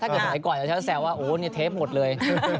ถ้าเกิดไหนก่อนจะแซวว่าโอ้นี่เทปหมดเลย